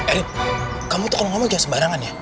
erin kamu tuh kalau ngomong kayak sembarangan ya